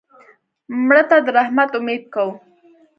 مړه ته د رحمت امید کوو